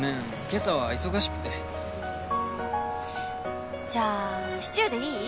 今朝は忙しくてもうじゃあシチューでいい？